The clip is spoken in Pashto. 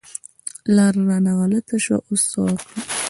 لاره رانه غلطه شوه، اوس څه وکړم؟